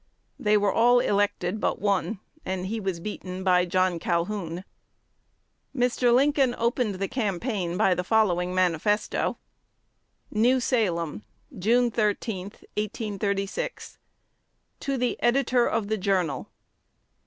They were all elected but one, and he was beaten by John Calhoun. Mr. Lincoln opened the campaign by the following manifesto: New Salem, June 13, 1836. To the Editor of "The Journal."